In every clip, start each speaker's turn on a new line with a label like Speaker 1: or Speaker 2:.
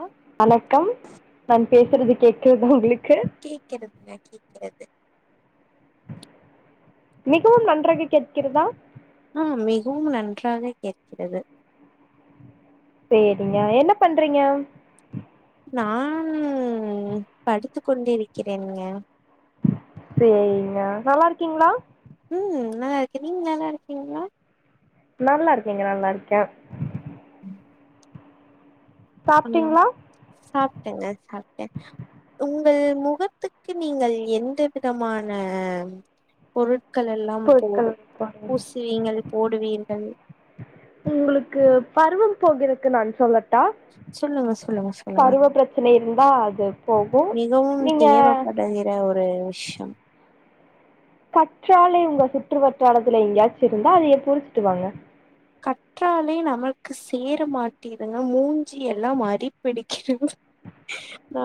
Speaker 1: ஆ
Speaker 2: வணக்கம் நான் பேசுறது கேக் [inaudible]
Speaker 1: கேக்றதுங்க கே்கறது
Speaker 2: மிகவும் நன்றாக கேட்கிறதா
Speaker 1: ஆ மிகவும் நன்றாக கேட்கிறது
Speaker 2: சேரிங்க என்ன பண்றீங்க
Speaker 1: நானு படித்து கொண்டு இருக்கிறேனுங்க
Speaker 2: சேரிங்க நல்லா இருக்கீங்களா
Speaker 1: உம் நல்ல இருக்கேன் நீங்க நல்லா இருக்கீங்களா
Speaker 2: நல்லா இருக்கேங்க நல்லா இருக்கேன்
Speaker 1: ம் உம்
Speaker 2: சாப்ட்டீங்களா
Speaker 1: சாப்டேங்க சாப்டேன் உன் உங்கள் முகத்துக்கு நீங்கள் எந்த விதமான பொருட் மக்கள் எல்லாம்
Speaker 2: பொருட்கள்
Speaker 1: போடு
Speaker 2: வாங்க.
Speaker 1: பூசுவீங்கள் போடுவீர்கள்
Speaker 2: கோவிலுக்கு நான் செல்ல தா
Speaker 1: சொல்லுங்க சொல்லுங்க சொல்லுங்க
Speaker 2: பருவ பிரச்சனை இருந்தா அது போகும் நீங்க
Speaker 1: விஷம்
Speaker 2: கற்றாலை உங்க சுற்று வட்டாரத்துல எங்கயாச்சும் இருந்தா அத பரிச்சுட்டு வாங்க
Speaker 1: கற்றாழை நமக்கு சேர மாட்டிதுங்க மூஞ்சி எல்லாம் அரிப்பிடிக்கிடுதுங்க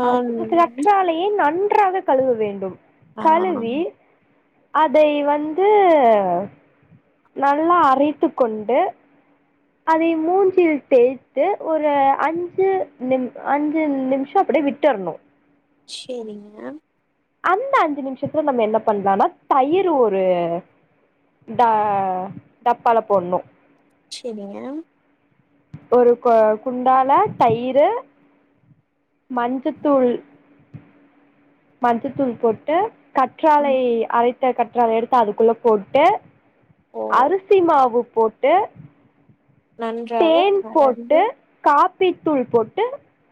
Speaker 2: அது கற்றாழையே நன்கு ன்றாக கழுவ வேண்டும்
Speaker 1: ஆ
Speaker 2: கலுவி அதை வந்து நல்லா அரைத்து கொண்டு அதை மூஞ்சில் தேய்த்து ஒரு அஞ்சு நிமி அஞ்சு நிமிஷம் அப்படியே விட்டுரணும்
Speaker 1: சேரிங்க
Speaker 2: அந்த அஞ்சு நிமிஷத்துல நம்ம என்ன பண்ணலானா தயிர் ஒரு ட டப்பால போடணும்
Speaker 1: சேரிங்க
Speaker 2: ஒரு கொ குண்டால தயிறு மஞ்சத்தூள் மஞ்சத்தூள் போட்டு கற்றாலயை அரைத்து கற்றாழை எடுத்து அதுக்குள்ள போட்டு
Speaker 1: அப்போ
Speaker 2: அரிசி மாவு போட்டு
Speaker 1: நன்றாக
Speaker 2: தேன்
Speaker 1: கலந்து
Speaker 2: போட்டு காப் டித்தூள் போட்டு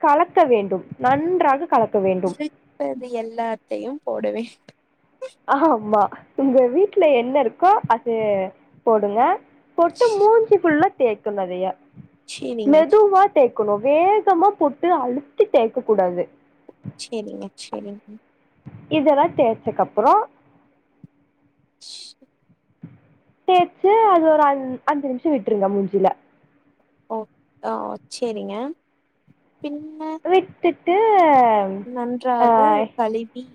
Speaker 2: கலக்க வேண்டும் நன்றாக கல வேண்டும்
Speaker 1: எல்லாத்தையும் போடுவேன்
Speaker 2: ஆமா வீட்ல என்ன இருக்கோ அது போடுங்க பொட்டு மூஞ்சுக்குள்ள தேக்கு நெறைய
Speaker 1: சேரிங்க
Speaker 2: மெதுவா டெக் இவ்வளவு வேகமா போட்டு அழுத்தி தேக்க கூடாது
Speaker 1: செரிங்க செரிங்க
Speaker 2: இதெல்லாம் தேய்ச்சப்பறம்
Speaker 1: ஸ்சு
Speaker 2: தேச்சு அது ஒரு அஞ்சு நிமிஷம் விட்டுருங்க மூஞ்சில
Speaker 1: ஓ ஆ செரிங்க
Speaker 2: விட்டுட்டு ஆ
Speaker 1: நன்றாக கழுவி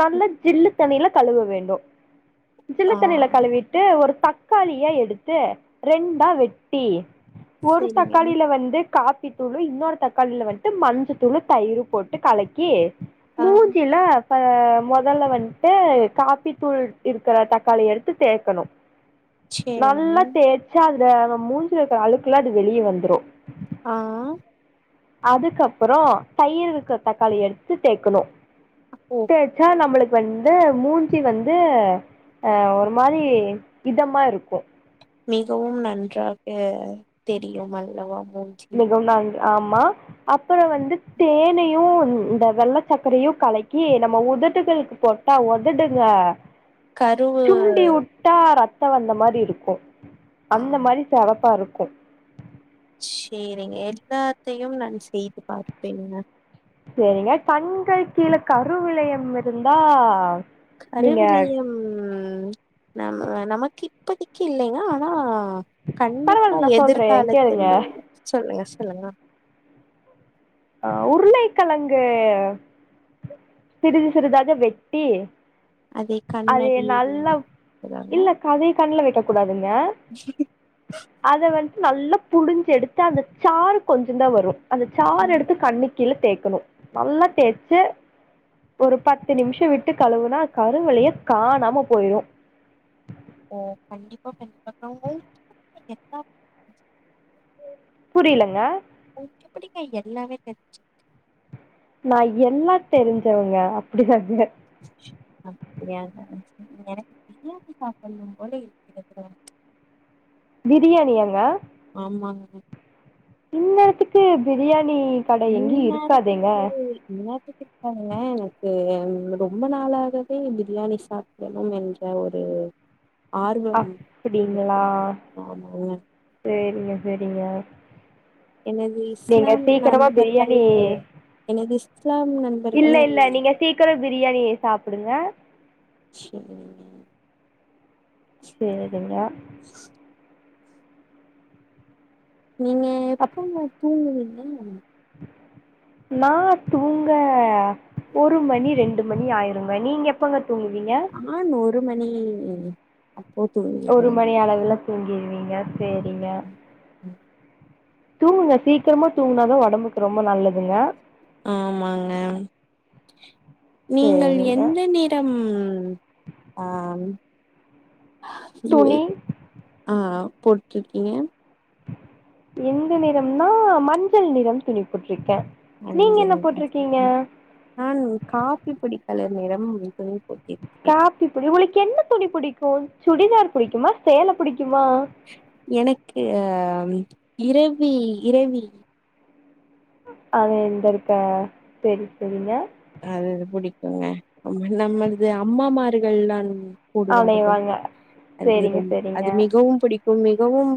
Speaker 2: நல்ல ஜில்லு தண்ணில கழுவ வேண்டும்
Speaker 1: ஆ
Speaker 2: ஜில்லத்து தண்ணில கழுவிட்டு ஒரு தக்காளியை எடுத்து ரெண்டாக வெட்டி ஒரு
Speaker 1: சேரிங்க
Speaker 2: தக்காளில்ல வந்து கா [inaudible] தூளு இன்னொரு தக்காளியில வந்து மஞ்ச தூளு தயிர் போட்டு கலக்கி
Speaker 1: ஆ
Speaker 2: முஞ்சிலா முதல்ல வந்துட்டு காப்பி தூள் இருக்கிற தக்காளி எடுத்து தேக்கணும்
Speaker 1: சேரிங்க
Speaker 2: நல்ல தேய்ச்சால இந்த மூஞ்சில இருக்கற அளுக்குகெல்லாம் அது வெளிய வந்துரும்
Speaker 1: ஆ
Speaker 2: அதுக்கப்பறம் தயிர் இருக்கிற தக்காளி எடுத்து தேக்கணும்
Speaker 1: ஓ
Speaker 2: தேச்சா நம்மளுக்கு வந்து மூஞ்சி வந்து அ ஒரு மாரி இதமா இருக்கும்
Speaker 1: மிகவும் நன்றாக தெரியும் அல்லவா மூஞ்சி
Speaker 2: மிகவும் நான் ஆமா அப்பறம் வந்து தேனையும் இந்த வெள்ள சக்கரையும் கலக்கி நம்ம உதட்டுகளுக்கு போட்டா உதடுங்க
Speaker 1: கருவு
Speaker 2: சுண்டி விட்டா ரத்த சிவந்த மாரி இருக்கும்
Speaker 1: ஆ
Speaker 2: அந்த மாரி சிவப்பா இருக்கும் [unintelligible]
Speaker 1: செரிங்க எல்லாத்தையு நான் செய்து பார்ப்பேன்ங்க
Speaker 2: செரிங்க கண்கள் கீழே கருவளையம் இருந்தா நீங்க
Speaker 1: கருவிலையம் நம நமக்கு இப்பதைக்கு இல்லங்க ஆனா கண்டிப்பா
Speaker 2: பரவால்ல நா சொல்றே கேளுங்க
Speaker 1: எதிர்காலத்தில சொல்லுங்க சொல்லுங்க
Speaker 2: ஆ உருளைக்கெளங்கு சிறிது சிறிதாக வெட்டி
Speaker 1: அதே
Speaker 2: அது
Speaker 1: கண்ணாடி
Speaker 2: நல்லா
Speaker 1: சொல்றாங்க
Speaker 2: இல்ல கதை கண்ணல வைக்க [unintelligible] அத வந்து நல்லா புழிஞ்சு எடுத்து அந்த சாறு கொஞ்ச தான் வரும் அந்த சார்
Speaker 1: ம்.
Speaker 2: எடு நெத்தில தேக்கணு நல்லா தேச்சி ஒரு பத்து நிமிஷோ விட்டு கழுவுனா கருவலையம் காணாம போயிரும்
Speaker 1: ஓ கண்டிப் [unintelligible]
Speaker 2: [unintelligible]
Speaker 1: எத்தா
Speaker 2: புரியலங்க
Speaker 1: எப்டிங்க எல்லாமே தெரிஞ்சுக்
Speaker 2: நா என்ன தெரிஞ்சவங்க அப்டி வந்துதேன்
Speaker 1: அப்ப [unintelligible] எனக்கு பிரியாணி சாப்னும் போல இருக்கி
Speaker 2: பிரியாணியாங்க
Speaker 1: [unintelligible]
Speaker 2: இந்நேரத்துக்கு பிரியாணி கடை
Speaker 1: [inaudible]
Speaker 2: எங்கேயும்
Speaker 1: இந்நேரத்துக்கு
Speaker 2: இருக்காதேங்க
Speaker 1: எனக்கு ரொம்ப நாளாவே பிரியாணி சாப்டணும் என்ற ஒரு ஆர்வம்
Speaker 2: அப்டிங்களா
Speaker 1: இருக்கு ஆமாங்க
Speaker 2: செரிங்க செரிங்க
Speaker 1: எனது இஸ்லாம் நண்பர்கள்
Speaker 2: பிரியாணி
Speaker 1: எனது இஸ்லாம்
Speaker 2: இல்ல
Speaker 1: நண்பர்கள் என்
Speaker 2: இல்ல நீங்க சீக்கிரம் பிரியாணி [inaudible]
Speaker 1: செரி
Speaker 2: சேரிங்க
Speaker 1: நீங்க எப்பமா தூங்குவீங் ம்
Speaker 2: நா தூங்க ஒரு மணி ரெண்டு மணி ஆயிருங்க நீங்க எப்பங்
Speaker 1: ஆ நூறு மணி [unintelligible]
Speaker 2: ஒரு
Speaker 1: தூங்கிடுவேங்க
Speaker 2: மணி அளவுல தூங்கிருவீங்க சேரிங்க தூங்குங்க சீக்கிரமா தூங்குனாதா ஒடம்புக்கு ரொம்ப நல்லதுங்க
Speaker 1: ஆமாங்க நீங்கள்
Speaker 2: சரிங்க
Speaker 1: எந்த நிறம் ஆம்
Speaker 2: துணி
Speaker 1: [unintelligible] ஆ ஆ போட்ருக்கீங்க
Speaker 2: எந்த நிறம்னா மஞ்சள் நிறம் துணி புடிக்
Speaker 1: அஞ்சர ம் ம் ஹும் மேம் காஃபி புடிக் பல நேரம் இப்ப இது
Speaker 2: காக்கி துணி உங்களுக்கு என்ன துணி புடிக் ப்போ சுடிதார் புடிக்குமா சேலை புடிக்
Speaker 1: எனக்கு ஆ [unintelligible] இரவி இரவில்
Speaker 2: அது இங்க இருக்கா செரி செரிங்க
Speaker 1: அதது புடிக்குங்க நம்ம நம்மளது அம்மாமார்கள்லா
Speaker 2: ஆணைய
Speaker 1: போடுவார்கள்
Speaker 2: வாங்க சரிங்க
Speaker 1: அதுதான்
Speaker 2: சரிங்க
Speaker 1: அது மிகவும் புடிக் இது மிகவும்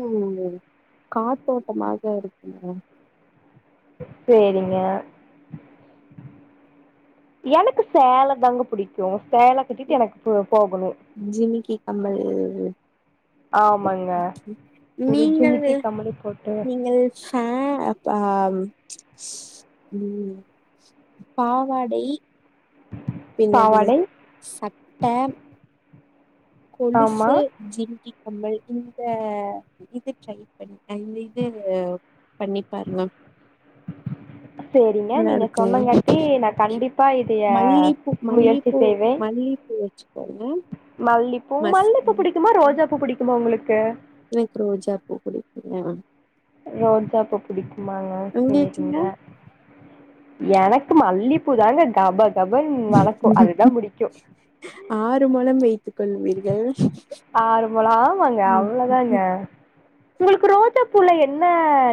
Speaker 1: காத்தோட்டமாக இருக்குங்க
Speaker 2: சேரிங்க எனக்கு சேலை தாங்க புடிக்கு சேலை கட்டிட்டு எனக்கு [unintelligible]
Speaker 1: ஜிமிக்கி கம்மல்
Speaker 2: ஆமாங்க ஒரு
Speaker 1: நீங்கள்
Speaker 2: ஜிமிக்கி கம்பளி போட்டு
Speaker 1: நீங்கள் ச அப்பா உம் பாவாடை பின்ன எதெது
Speaker 2: பாவாடை
Speaker 1: சட்ட
Speaker 2: ஆமா
Speaker 1: கொலுசு ஜிமிக்கி நம்மள் இந்த இது ட்ரை பண்ணி அ இந்த இது பண்ணி பாருங்க மேம்
Speaker 2: சேரிங்க நீங்க
Speaker 1: இருக்குங்க
Speaker 2: சொன்னங்காட்டி நா கண்டிப்பா இதைய
Speaker 1: மல்லிப்பூ
Speaker 2: முயற்சி
Speaker 1: மல்லிப்பூ
Speaker 2: செய்வேன்
Speaker 1: மல்லிப்பூ வச்சுக்கோங்க
Speaker 2: மல்லிப் பூ
Speaker 1: மஸ்
Speaker 2: மல்லிப்பூ புடிக்குமா ரோஜாப்பூ புடிக் ன்னு உங்களுக்கு
Speaker 1: எனக்கு ரோஜாப்பூ புடிக்குங்க
Speaker 2: ரோஜாப்பூ புடிக் மாங்மாங்னு
Speaker 1: உங்களுக்குங்க
Speaker 2: செய்றீங்க எனக்கு மல்லிப்பூதாங்க கபக்
Speaker 1: [unintelligible] ஆறு மழம் வை
Speaker 2: நர்மல ஆமாங்க அவ்வளோதாங்க உங்களுக்கு ரோஜா பூவுல என்ன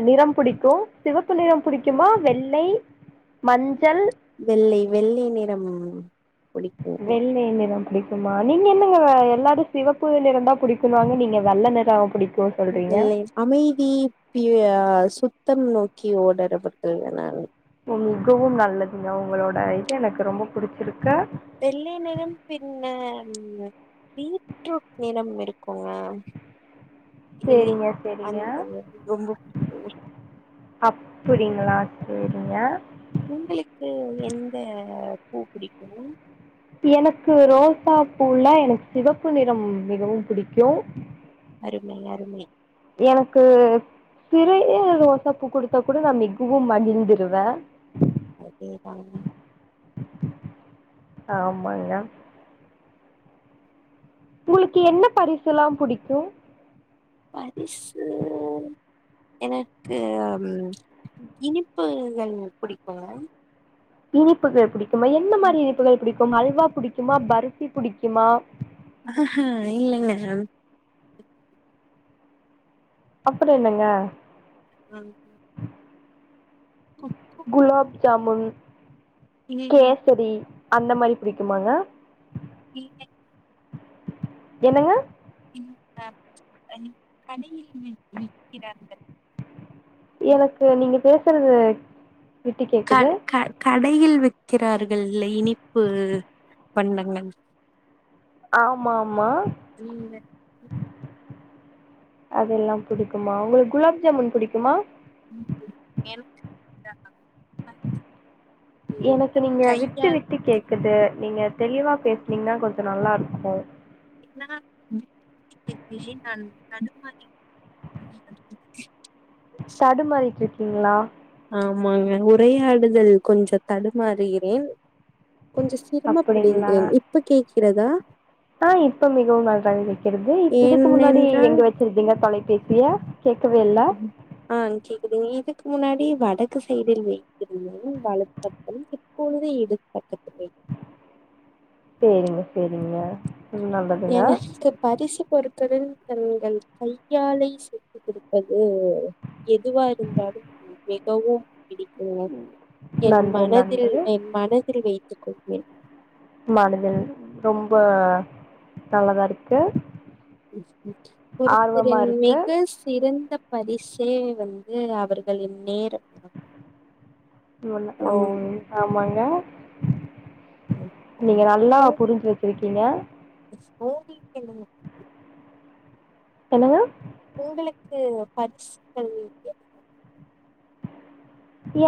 Speaker 2: நிறம் பிடிக்கும் சிவப்பு நிறம் பிடிக்குமா வெள்ளை மஞ்ச
Speaker 1: வெள்ளைவெள்ளை நிறம் புடிக்குங்க
Speaker 2: வெள்ளை நிறம் தான் பிடிக்குமா நீங்க என்னங்க வேற எ எல்லாரு சிவப்பு நிறம் தான் புடிக்கும் நீங்க வெள்ள நிறா புடிக்கு
Speaker 1: இல்லை அமைதி பியர் சு யுத்தம் நோக்கி ஓடரப்பட நானு
Speaker 2: உம் மிகவும் நல்லதுங்க உங்களோட இது எனக்கு ரொம்ப பிடிச்சிருக்கு
Speaker 1: வெள்ளை நிறம் பின்னர் பீட்ரூட் நிறம் இருக்கும ஏய் இ
Speaker 2: சேரிங்க சேரிங்க
Speaker 1: அனந்தது ரொம்ப புடி
Speaker 2: அப்புடிங்களா சேரிங்க
Speaker 1: உங்களுக்கு எந்தத பூ பிடிக்கும்
Speaker 2: எனக்கு ரோசா பூவுல எனக்கு சிவப்பு நிறம் மிகவும் பிடிக்கும்
Speaker 1: அருமை அறுமை
Speaker 2: எனக்கு சிற ரோசை பூ கொடுத்தா கூட நான் மிகவும் மகிழ்ந்துடுவேன்
Speaker 1: அதேதாங்க
Speaker 2: ஆமாங்க உங்களுக்கு என்ன பரிசு யெல்லாம் புடிக்கும்
Speaker 1: பரிசூ எனக்கு இனிப்பு நீ புடிக்கும்
Speaker 2: இனிப்புகள் எப்படி பிடிக்கும் என்ன மாரி இனிப்பலாம் புக்ஷஹஹஞச நாசஆஆசஅஅஅ சகோதரர் ஓச ளளஞடிக்கும் இப்போ அல்வா புடிக்குமா பர்பி புடிக்குமா
Speaker 1: அஹ்ஹ் இல்லைங்க மேடம்
Speaker 2: அப்படி இல்லைங்க
Speaker 1: ஆஹம் ஆஹம்
Speaker 2: குலாப் ஜாமூன் கேசடி அந்த மாரி பிடிக்குமாங்க
Speaker 1: இ கே உம்
Speaker 2: என்னவன்
Speaker 1: இக்ஹ கடையில் விற்கிறார்கள்
Speaker 2: எனக்கு நீங்க பே இருக்கிறது
Speaker 1: க க கடையில் விக்கிறார்கள் இல்லை இனிப்பு பண்டங்கள்
Speaker 2: ஆமா ஆமா
Speaker 1: உம்
Speaker 2: அதெல்லாம் பிடிக்குமா உங்களுக்கு குலோப் ஜாமுன் பிடிக்குமா
Speaker 1: உ எனக்
Speaker 2: எனக்கு நீங்க விட்டு
Speaker 1: கையால்
Speaker 2: விட்டு கேக்குது நீங்க தெளிவா பேசுனீங்கன்னா கொஞ்சம் நல்லா இருக்கும்
Speaker 1: என்னா இல்ல தோழி நான் தடுமாறினேன்
Speaker 2: தடுமாறிட்டுருக்கீங்ளா
Speaker 1: ஆமாங்க உரையாடுதல் கொஞ்சம் தடுமாறுகிறேன் கொஞ்சம் சிரமப்படிகிகறேன் இப்ப கேள் க்கிறதா
Speaker 2: ஆஹ் இப்ப மிகவும் நன்றாக கேட்கிறது இதுக்கு முன்னாடி
Speaker 1: ஏனென்றால்
Speaker 2: எங்க வச்சிருந்தீங்க தொலைபேசி யே
Speaker 1: ம் ஆ கேக்குது இது முன்னாடி வடக்கு சைடில் வைத்திருந்தும் வலத்தத்தும் இப்பொழுது இடதுபக்கத்துல
Speaker 2: செரிங்க செரிங்க
Speaker 1: எனக்கு பரிசு பொறுப் தருன் கண்கள் கையாலை சேத்து கொடு அது எதுவா இருந்தாலும் மிகவும் பிடிக்குங்க என்
Speaker 2: நன்று
Speaker 1: மனதில்
Speaker 2: நன்று
Speaker 1: என் மனதில் வைத்துக்கொள் ஏ
Speaker 2: மனதில் ரொம்ப நல்லதா இருக்கு ஆர்வமா
Speaker 1: ஒருதரின்
Speaker 2: இருக்கு
Speaker 1: மிக சிறந்த பரிசே வந்து அவர்களின் நேரோ
Speaker 2: [unintelligible] ஓ
Speaker 1: நம்
Speaker 2: ஆமாங்க நீங்க நல்லா புரிஞ்சு வச்சிருக்கீங்க
Speaker 1: ஓடி எண்ணனு
Speaker 2: ஹலோ
Speaker 1: உங்களுக்கு பரிசுகள் என்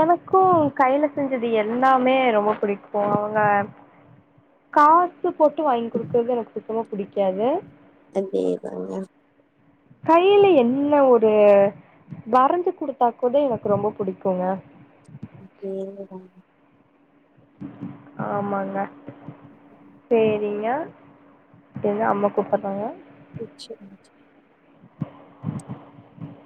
Speaker 2: எனக்கும் கையில செஞ்சது எல்லாமே ரொம்ப பிடிகும் அவங்க கா போட்டு போட்டு வாங்கி கொடுக்கறது எனக்குப் ரொம்ப புடிக்காது
Speaker 1: அதே தாங்க
Speaker 2: கையில என்ன ஒரு வரைஞ்சு குடுத்தா கூட எனக்கு ரொம்ப புடிக்குங்க
Speaker 1: அதேதா
Speaker 2: ஆமாங்க செரிங்க என்ன அம்மா கூப்பறாங்கா
Speaker 1: ச்சு ச்சு
Speaker 2: [inaudible]